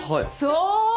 そう！